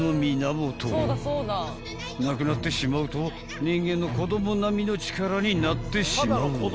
［なくなってしまうと人間の子供並みの力になってしまうのだ］